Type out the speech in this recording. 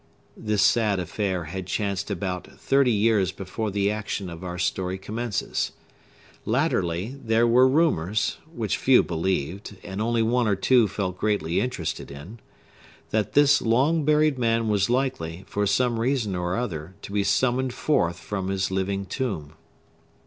This sad affair had chanced about thirty years before the action of our story commences. Latterly, there were rumors (which few believed, and only one or two felt greatly interested in) that this long buried man was likely, for some reason or other, to be summoned forth from his living tomb.